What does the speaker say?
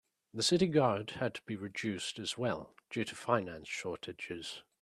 The city guard had to be reduced as well due to finance shortages.